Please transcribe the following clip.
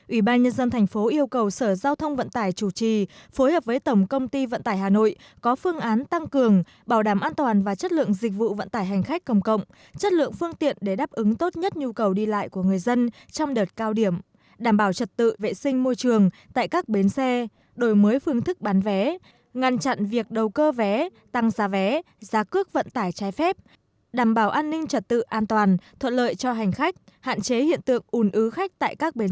ủy ban nhân dân tp yêu cầu sở giao thông vận tải chủ trì phối hợp với tổng công ty vận tải hà nội có phương án tăng cường bảo đảm an toàn và chất lượng dịch vụ vận tải hành khách công cộng chất lượng phương tiện để đáp ứng tốt nhất nhu cầu đi lại của người dân trong đợt cao điểm đảm bảo trật tự vệ sinh môi trường tại các bến xe đổi mới phương thức bán vé ngăn chặn việc đầu cơ vé tăng giá vé giá cước vận tải trái phép đảm bảo an ninh trật tự an toàn thuận lợi cho hành khách hạn chế hiện tượng ủn